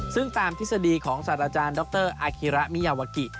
ซึ่งตามทฤษฎีของสัตว์อาจารย์ดรอาคิระมิยาวากิ